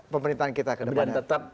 pemerintahan kita ke depan